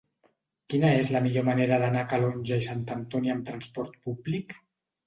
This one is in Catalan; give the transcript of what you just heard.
Quina és la millor manera d'anar a Calonge i Sant Antoni amb trasport públic?